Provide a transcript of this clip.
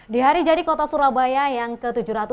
di hari jadi kota surabaya yang ke tujuh ratus dua puluh